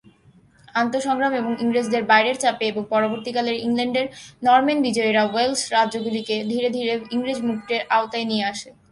আন্তঃ-সংগ্রাম এবং ইংরেজদের বাইরের চাপে এবং পরবর্তীকালের ইংল্যান্ডের নরম্যান বিজয়ীরা ওয়েলশ রাজ্যগুলিকে ধীরে ধীরে ইংরেজ মুকুটের আওতায় নিয়ে আসে।